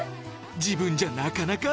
自分じゃなかなか。